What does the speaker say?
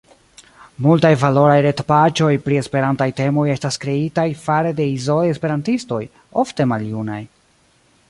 Multaj valoraj retpaĝoj pri esperantaj temoj estas kreitaj fare de izolaj esperantistoj, ofte maljunaj.